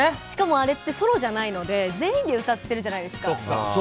しかも、あれってソロじゃないので全員で歌ってるじゃないですか。